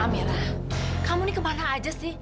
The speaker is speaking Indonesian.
kamera kamu ini kemana aja sih